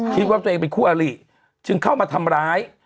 คิดว่าตัวเองเป็นคู่อลิจึงเข้ามาทำร้าย